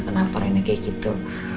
kenapa rena kayak gitu